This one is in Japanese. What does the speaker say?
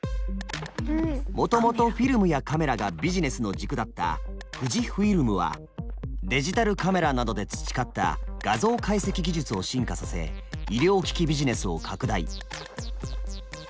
もともとフィルムやカメラがビジネスの軸だった富士フイルムはデジタルカメラなどで培った画像解析技術を進化させ医療機器ビジネスを拡大。